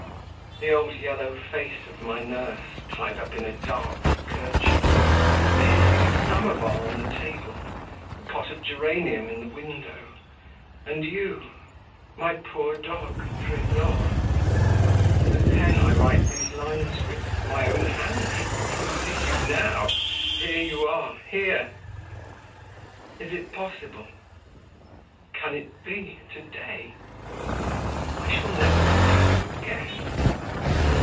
The old yellow face of my nurse, tied up in a dark kerchief, the hissing samovar on the table, the pot of geranium in the window, and you, my poor dog, Tresór, the pen I write these lines with, my own hand, I see you now ... here you are, here.... Is it possible ... can it be, to day ... I shall never see you again!